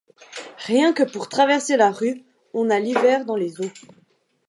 Rien que pour traverser la rue, on a l'hiver dans les os.